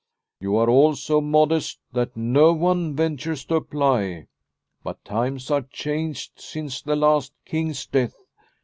" You are all so modest that no one ventures to apply. But times are changed since the last King's death.